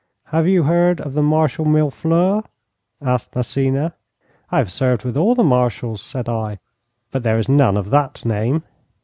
'Have you heard of the Marshal Millefleurs?' asked Massena. 'I have served with all the Marshals,' said I, 'but there is none of that name.'